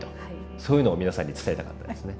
そういうのを皆さんに伝えたかったですね。